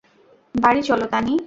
বাড়ি চলো, তানি।